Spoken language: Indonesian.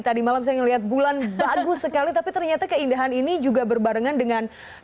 tadi malam saya melihat bulan bagus sekali tapi ternyata keindahan ini juga berbarengan dengan